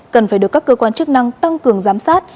cần phải được các cơ quan chức năng tăng cường giám sát